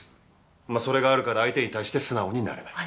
それがあるから相手に対して素直になれない。